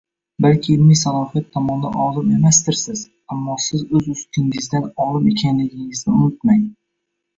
Balki ilmiy salohiyat tomondan olim emasdirsiz, ammo siz o`z ustingizdan olim ekanligingizni unutmang